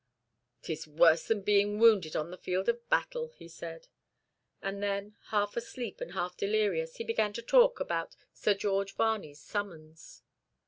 "It is worse than being wounded on the field of battle," he said. And then, half asleep and half delirious, he began to talk about Sir George Varney's summons.